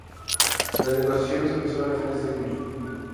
Las negociaciones fracasaron a finales de julio.